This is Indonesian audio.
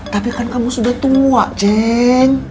tapi kan kamu sudah tua ceng